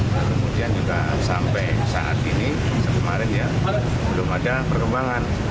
nah kemudian juga sampai saat ini kemarin ya belum ada perkembangan